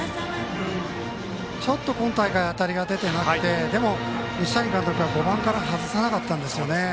ちょっと今大会当たりが出ていなくてでも、西谷監督は５番から外さなかったんですよね。